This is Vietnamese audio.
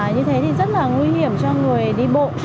như thế thì rất là nguy hiểm cho người đi bộ